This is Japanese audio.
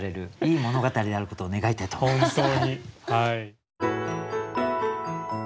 いい物語であることを願いたいと思います。